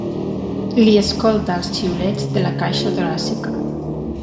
Li escolta els xiulets de la caixa toràcica.